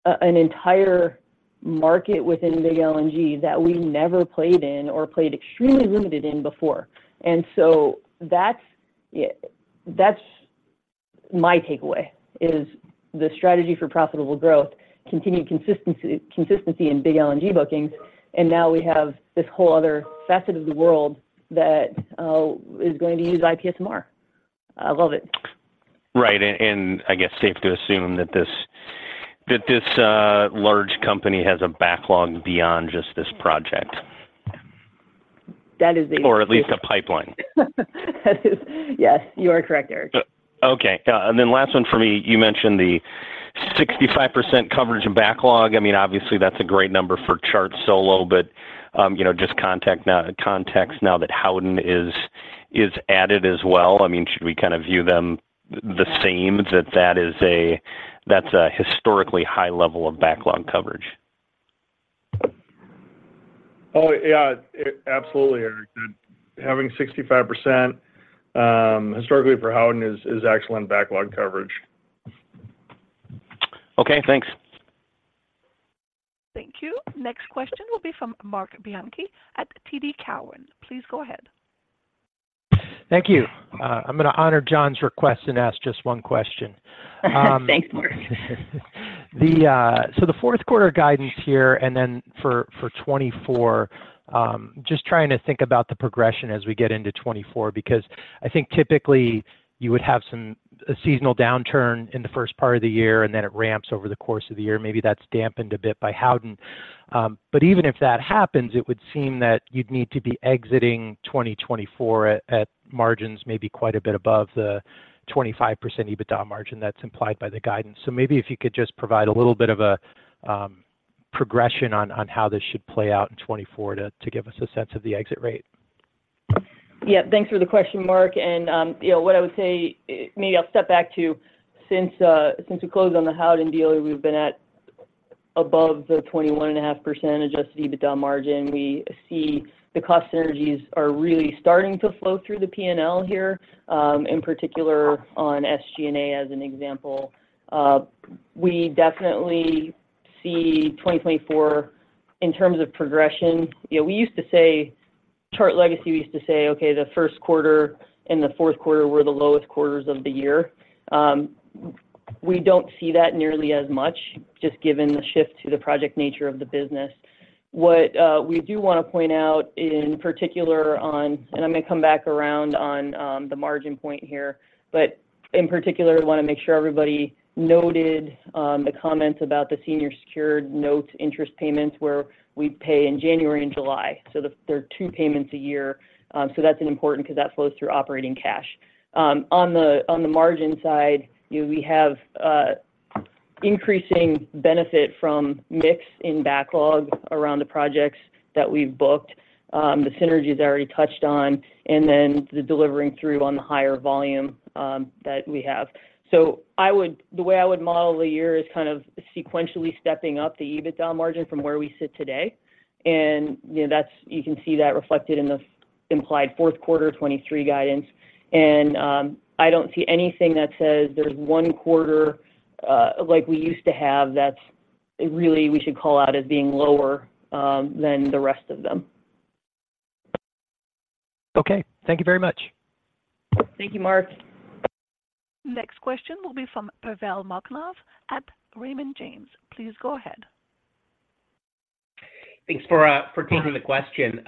an entire market within Big LNG that we never played in or played extremely limited in before. And so that's, yeah, that's my takeaway, is the strategy for profitable growth, continued consistency, consistency in Big LNG bookings, and now we have this whole other facet of the world that is going to use IPSMR. I love it. Right, and I guess it's safe to assume that this large company has a backlog beyond just this project? That is the- Or at least a pipeline. Yes, you are correct, Eric. Okay. And then last one for me. You mentioned the 65% coverage and backlog. I mean, obviously that's a great number for Chart solo, but, you know, just context now that Howden is added as well, I mean, should we kind of view them the same, that that is a, that's a historically high level of backlog coverage? Oh, yeah, absolutely, Eric. That having 65% historically for Howden is excellent backlog coverage. Okay, thanks. Thank you. Next question will be from Mark Bianchi at TD Cowen. Please go ahead. Thank you. I'm gonna honor John's request and ask just one question. Thanks, Mark. The, so the fourth quarter guidance here, and then for, for 2024, just trying to think about the progression as we get into 2024, because I think typically you would have some, a seasonal downturn in the first part of the year, and then it ramps over the course of the year. Maybe that's dampened a bit by Howden. Even if that happens, it would seem that you'd need to be exiting 2024 at, at margins, maybe quite a bit above the 25% EBITDA margin that's implied by the guidance. So maybe if you could just provide a little bit of a progression on, on how this should play out in 2024 to give us a sense of the exit rate. Yeah, thanks for the question, Mark. And, you know what I would say, maybe I'll step back to since we closed on the Howden deal, we've been at above 21.5% adjusted EBITDA margin. We see the cost synergies are really starting to flow through the PNL here, in particular on SG&A as an example. We definitely see 2024 in terms of progression. You know, we used to say, Chart legacy, we used to say, "Okay, the first quarter and the fourth quarter were the lowest quarters of the year." We don't see that nearly as much, just given the shift to the project nature of the business. What we do want to point out in particular on, and I'm gonna come back around on, the margin point here, but in particular, we want to make sure everybody noted, the comments about the senior secured notes, interest payments, where we pay in January and July. So there are two payments a year. So that's an important, 'cause that flows through operating cash. On the margin side, you, we have, increasing benefit from mix in backlog around the projects that we've booked, the synergies I already touched on, and then the delivering through on the higher volume, that we have. So I would the way I would model the year is kind of sequentially stepping up the EBITDA margin from where we sit today. You know, that's, you can see that reflected in the implied fourth quarter 2023 guidance. I don't see anything that says there's one quarter, like we used to have, that's really we should call out as being lower than the rest of them. Okay. Thank you very much. Thank you, Mark. Next question will be from Pavel Molchanov at Raymond James. Please go ahead. Thanks for taking the question.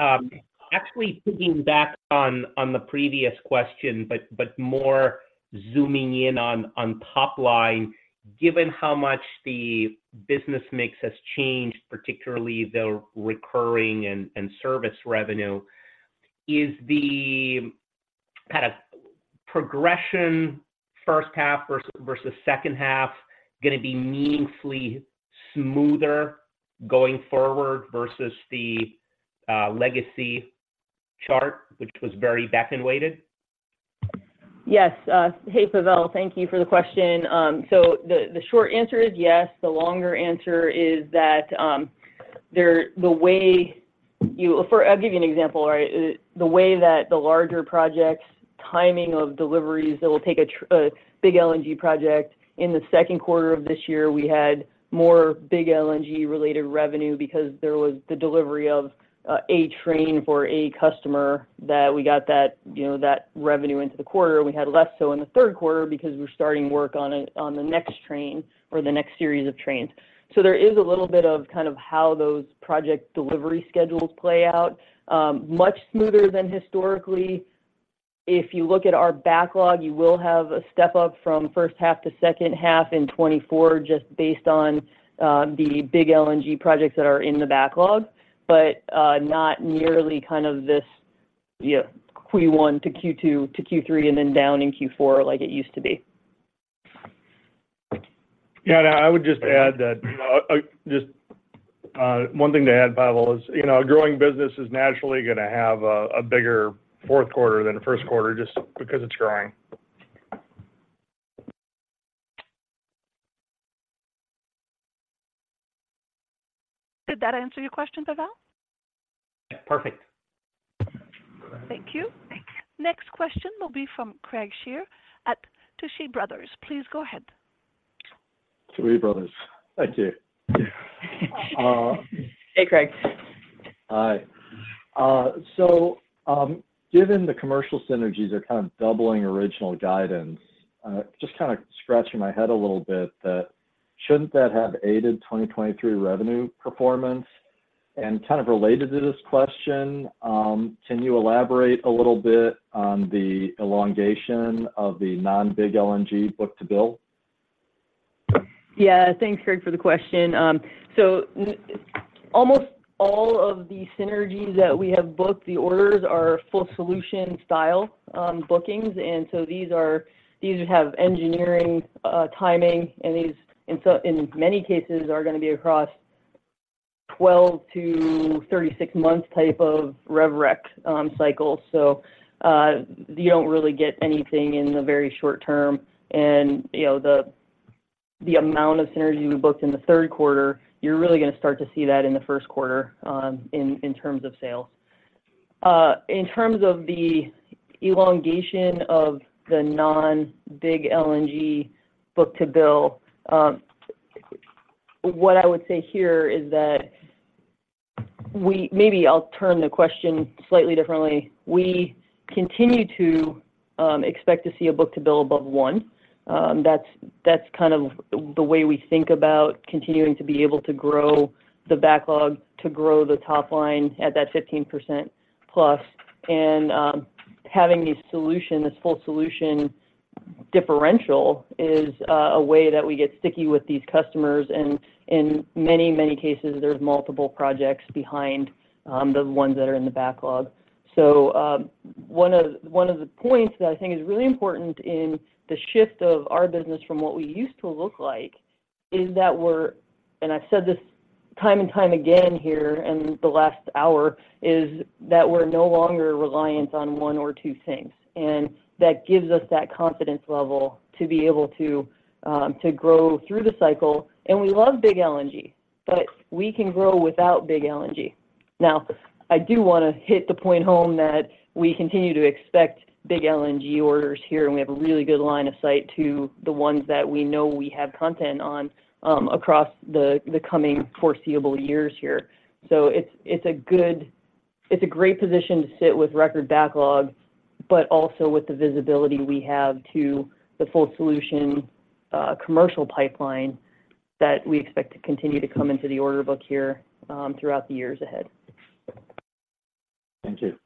Actually, piggybacking on the previous question, but more zooming in on top line. Given how much the business mix has changed, particularly the recurring and service revenue, is the kind of progression first half versus second half gonna be meaningfully smoother going forward versus the legacy Chart, which was very back-ended weighted? Yes. Hey, Pavel, thank you for the question. So the short answer is yes. The longer answer is that, the way you. I'll give you an example, right? The way that the larger projects, timing of deliveries, that will take a—a Big LNG project. In the second quarter of this year, we had more Big LNG related revenue because there was the delivery of a train for a customer that we got that, you know, that revenue into the quarter. We had less so in the third quarter because we're starting work on it, on the next train or the next series of trains. So there is a little bit of kind of how those project delivery schedules play out. Much smoother than historically. If you look at our backlog, you will have a step up from first half to second half in 2024, just based on the big LNG projects that are in the backlog, but not nearly kind of this, yeah, Q1 to Q2 to Q3, and then down in Q4 like it used to be. Yeah, and I would just add that, just, one thing to add, Pavel, is, you know, growing business is naturally gonna have a bigger fourth quarter than the first quarter just because it's growing. ... Did that answer your question, Pavel? Perfect. Thank you. Next question will be from Craig Shere at Tuohy Brothers. Please go ahead. Tuohy Brothers. Thank you. Hey, Craig. Hi. So, given the commercial synergies are kind of doubling original guidance, just kind of scratching my head a little bit that shouldn't that have aided 2023 revenue performance? And kind of related to this question, can you elaborate a little bit on the elongation of the non-Big LNG book-to-bill? Yeah. Thanks, Craig, for the question. Almost all of the synergies that we have booked, the orders are full solution style bookings, and these have engineering, timing, and these, and in many cases, are gonna be across 12-36 months type of rev rec cycle. You don't really get anything in the very short term. You know, the amount of synergy we booked in the third quarter, you're really gonna start to see that in the first quarter, in terms of sales. In terms of the elongation of the non-big LNG book-to-bill, what I would say here is that we... Maybe I'll turn the question slightly differently. We continue to expect to see a book-to-bill above one. That's, that's kind of the way we think about continuing to be able to grow the backlog, to grow the top line at that 15%+. And, having these solution, this full solution differential is a way that we get sticky with these customers, and in many, many cases, there's multiple projects behind the ones that are in the backlog. So, one of, one of the points that I think is really important in the shift of our business from what we used to look like is that we're, and I've said this time and time again here in the last hour, is that we're no longer reliant on one or two things, and that gives us that confidence level to be able to, to grow through the cycle. And we love Big LNG, but we can grow without Big LNG. Now, I do wanna hit the point home that we continue to expect Big LNG orders here, and we have a really good line of sight to the ones that we know we have content on, across the coming foreseeable years here. So it's a great position to sit with record backlogs, but also with the visibility we have to the full solution commercial pipeline, that we expect to continue to come into the order book here, throughout the years ahead. Thank you.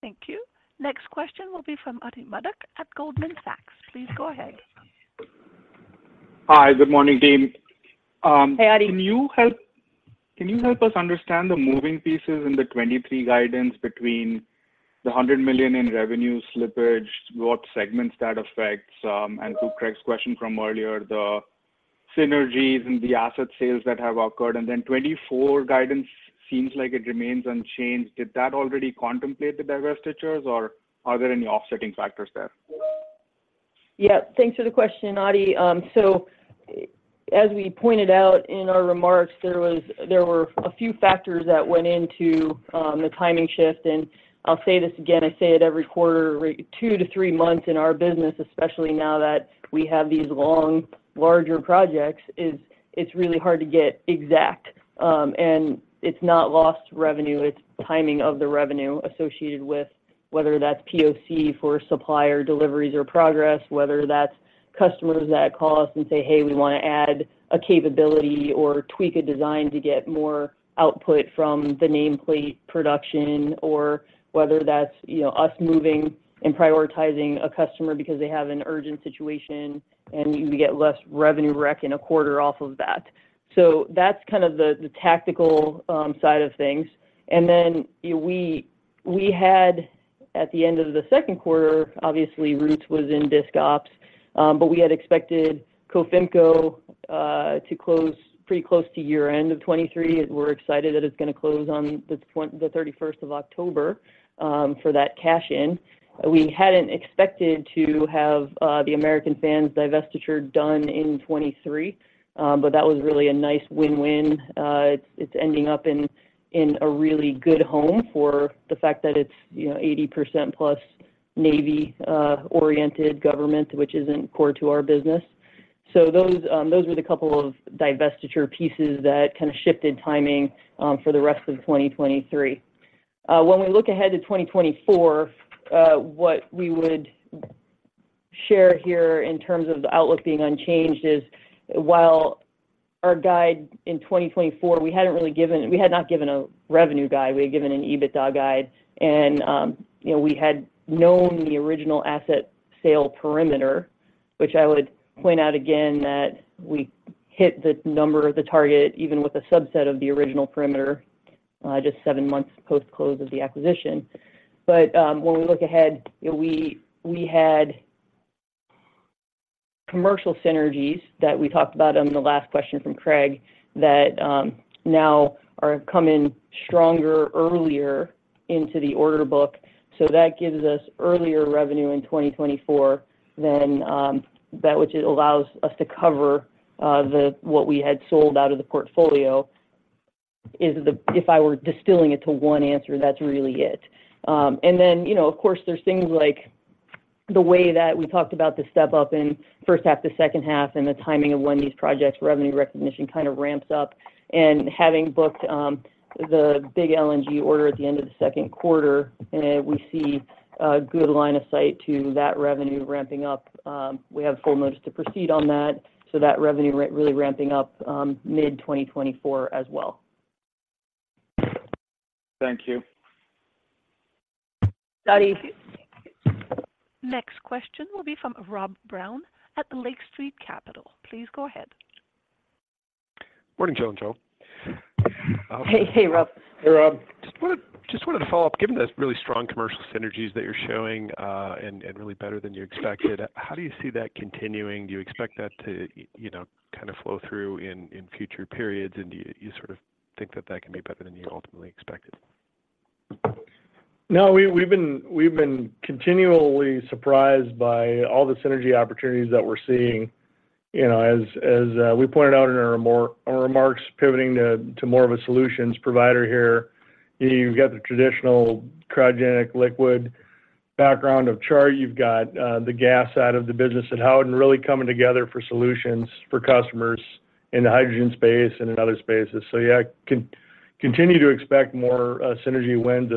Thank you. Next question will be from Atidrip Modak at Goldman Sachs. Please go ahead. Hi, good morning, team. Hey, Adi. Can you help, can you help us understand the moving pieces in the 2023 guidance between the $100 million in revenue slippage, what segments that affects, and to Craig's question from earlier, the synergies and the asset sales that have occurred? Then 2024 guidance seems like it remains unchanged. Did that already contemplate the divestitures, or are there any offsetting factors there? Yeah, thanks for the question, Adi. So as we pointed out in our remarks, there were a few factors that went into the timing shift, and I'll say this again, I say it every quarter. 2-3 months in our business, especially now that we have these long, larger projects, is it's really hard to get exact. And it's not lost revenue, it's timing of the revenue associated with whether that's POC for supplier deliveries or progress, whether that's customers that call us and say, "Hey, we wanna add a capability or tweak a design to get more output from the nameplate production," or whether that's, you know, us moving and prioritizing a customer because they have an urgent situation, and less revenue recognition in a quarter off of that. So that's kind of the tactical side of things. We had, at the end of the second quarter, obviously, Roots was in discontinued operations, we had expected Cofimco to close pretty close to year-end of 2023, and we're excited that it's gonna close on the 31st of October for that cash in. We hadn't expected to have the American Fan divestiture done in 2023, but that was really a nice win-win. It's ending up in a really good home for the fact that it's, you know, 80%+ Navy-oriented government, which isn't core to our business. Those were the couple of divestiture pieces that kind of shifted timing for the rest of 2023. When we look ahead to 2024, what we would share here in terms of the outlook being unchanged is, while our guide in 2024, we hadn't really given, we had not given a revenue guide, we had given an EBITDA guide. And, you know, we had known the original asset sale perimeter, which I would point out again, that we hit the number, the target, even with a subset of the original perimeter, just 7 months post-close of the acquisition. But, when we look ahead, you know, we had commercial synergies that we talked about on the last question from Craig, that now are coming stronger earlier into the order book. So that gives us earlier revenue in 2024 than... that which it allows us to cover, the, what we had sold out of the portfolio is the—if I were distilling it to one answer, that's really it. You know, of course, there's things like the way that we talked about the step up in first half to second half, and the timing of when these projects' revenue recognition kind of ramps up, and having booked the big LNG order at the end of the second quarter, we see a good line of sight to that revenue ramping up. We have full notice to proceed on that, so that revenue really ramping up mid-2024 as well. Thank you. Johnny. Next question will be from Rob Brown at Lake Street Capital. Please go ahead. Morning, Joe and Jill. Hey, hey, Rob. Hey, Rob. Just wanted to follow up. Given the really strong commercial synergies that you're showing, and really better than you expected, how do you see that continuing? Do you expect that to, you know, kind of flow through in future periods, and do you sort of think that that can be better than you ultimately expected? No, we've been continually surprised by all the synergy opportunities that we're seeing. You know, as we pointed out in our remarks, pivoting to more of a solutions provider here, you've got the traditional cryogenic liquid background of Chart, you've got the gas side of the business at Howden really coming together for solutions for customers in the hydrogen space and in other spaces. Yeah, continue to expect more synergy wins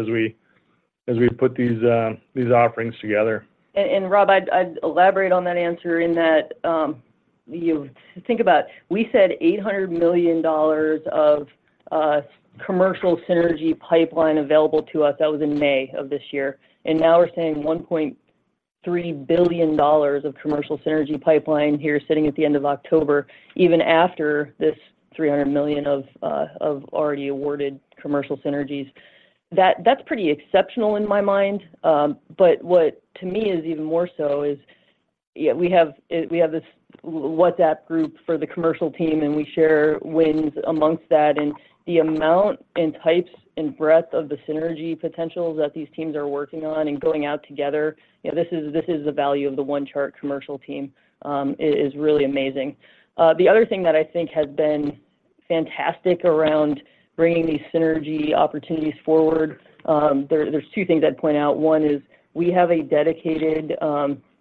as we put these offerings together. And Rob, I'd elaborate on that answer in that, you think about—we said $800 million of commercial synergy pipeline available to us. That was in May of this year. And now we're saying $1.3 billion of commercial synergy pipeline here, sitting at the end of October, even after this $300 million of already awarded commercial synergies. That's pretty exceptional in my mind, but what to me is even more so is, yeah, we have this WhatsApp group for the commercial team, and we share wins amongst that, and the amount and types and breadth of the synergy potentials that these teams are working on and going out together, you know, this is the value of the One Chart commercial team, is really amazing. The other thing that I think has been fantastic around bringing these synergy opportunities forward, there's two things I'd point out. One is we have a dedicated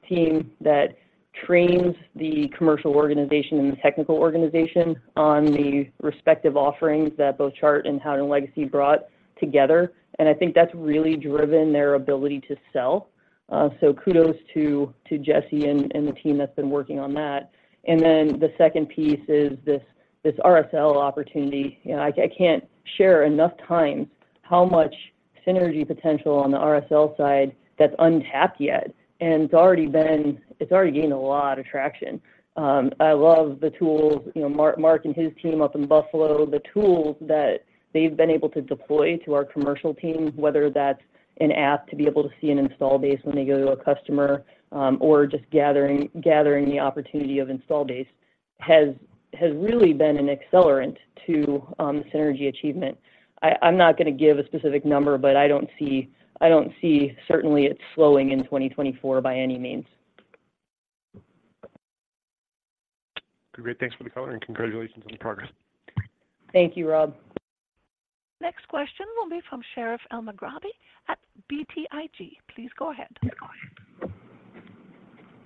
team that trains the commercial organization and the technical organization on the respective offerings that both Chart and Howden legacy brought together, and I think that's really driven their ability to sell. So kudos to Jesse and the team that's been working on that. And then the second piece is this RSL opportunity. You know, I can't share enough times how much synergy potential on the RSL side that's untapped yet, and it's already gaining a lot of traction. I love the tools, you know, Mark, Mark and his team up in Buffalo, the tools that they've been able to deploy to our commercial teams, whether that's an app to be able to see an install base when they go to a customer, or just gathering, gathering the opportunity of install base, has, has really been an accelerant to, the synergy achievement. I'm not gonna give a specific number, but I don't see, I don't see certainly it slowing in 2024 by any means. Great. Thanks for the color, and congratulations on the progress. Thank you, Rob. Next question will be from Sherif Elmaghrabi at BTIG. Please go ahead.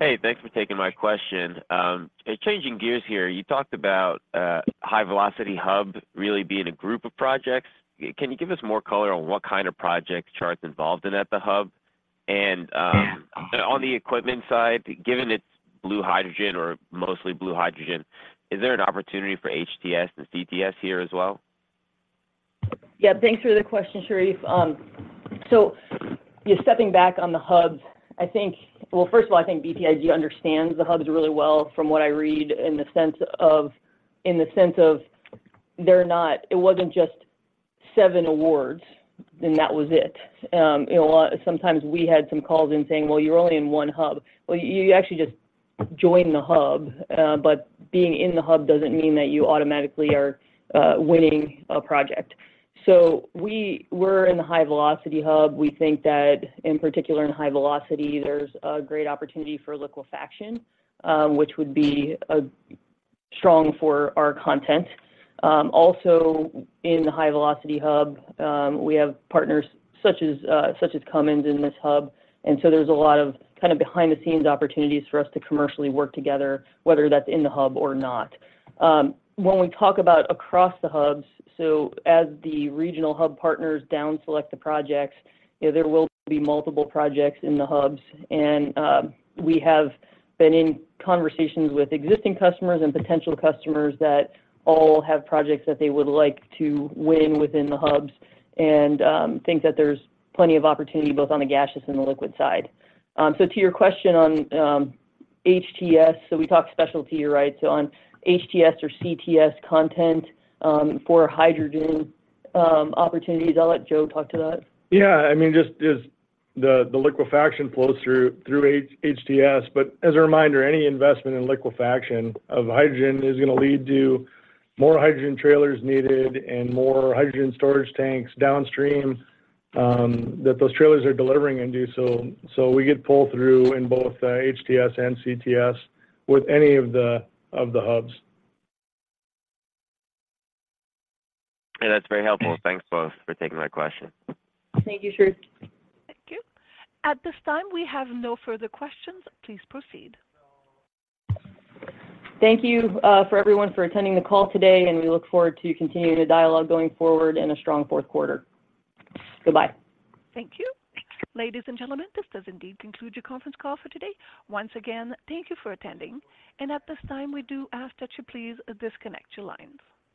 Hey, thanks for taking my question. Changing gears here, you talked about high velocity hub really being a group of projects. Can you give us more color on what kind of projects Chart's involved in at the hub? And, on the equipment side, given it's blue hydrogen or mostly blue hydrogen, is there an opportunity for HTS and CTS here as well? Yeah, thanks for the question, Sherif. So yeah, stepping back on the hubs, I think... Well, first of all, I think BTIG understands the hubs really well from what I read, in the sense of, in the sense of they're not-- it wasn't just seven awards, and that was it. You know, sometimes we had some calls in saying, "Well, you're only in one hub." Well, you actually just joined the hub, but being in the hub doesn't mean that you automatically are winning a project. We're in the high velocity hub. We think that, in particular, in high velocity, there's a great opportunity for liquefaction, which would be strong for our content. Also in the high velocity hub, we have partners such as, such as Cummins in this hub, and so there's a lot of kind of behind-the-scenes opportunities for us to commercially work together, whether that's in the hub or not. When we talk about across the hubs, so as the regional hub partners down select the projects, you know, there will be multiple projects in the hubs. We have been in conversations with existing customers and potential customers that all have projects that they would like to win within the hubs, and think that there's plenty of opportunity both on the gaseous and the liquid side. So to your question on HTS, so we talked specialty, right? So on HTS or CTS content for hydrogen opportunities, I'll let Joe talk to that. Yeah, I mean, just, just the liquefaction flows through HTS, but as a reminder, any investment in liquefaction of hydrogen is gonna lead to more hydrogen trailers needed and more hydrogen storage tanks downstream, that those trailers are delivering and do so. We get pull-through in both HTS and CTS with any of the hubs. Yeah, that's very helpful. Thanks, both, for taking my question. Thank you, Sherif. Thank you. At this time, we have no further questions. Please proceed. Thank you, for everyone for attending the call today, and we look forward to continuing the dialogue going forward and a strong fourth quarter. Goodbye. Thank you. Ladies and gentlemen, this does indeed conclude your conference call for today. Once again, thank you for attending, and at this time, we do ask that you please disconnect your lines.